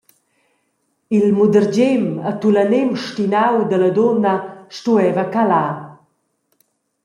Il mudergem e tulanem stinau dalla dunna stueva calar.